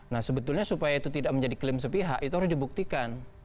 nah sebetulnya supaya itu tidak menjadi klaim sepihak itu harus dibuktikan